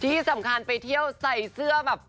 ที่สำคัญไปเที่ยวใส่เสื้อแบบ